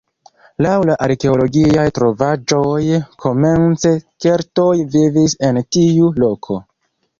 Laŭ la arkeologiaj trovaĵoj komence keltoj vivis en tiu loko.